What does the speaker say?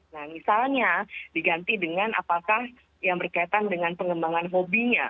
nah misalnya diganti dengan apakah yang berkaitan dengan pengembangan hobinya